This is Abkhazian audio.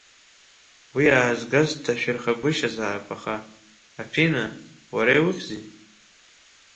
Уи аазгаз дҭашәырхагәышьазаап, аха, аԥина, уара иухьзи?